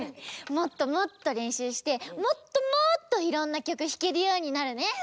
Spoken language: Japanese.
もっともっとれんしゅうしてもっともっといろんなきょくひけるようになるね！